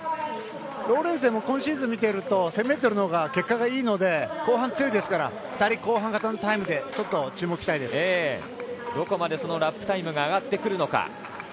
ローレンセンも今シーズン見てると１０００ｍのほうが結果がいいので後半強いですから２人、後半型のタイムでどこまでそのラップタイムが上がってくるのか。